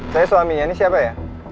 saya suaminya ini siapa ya